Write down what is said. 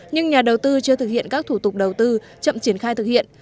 nhưng nhà đầu tư chưa thực hiện các thủ tục đầu tư chậm triển khai thực hiện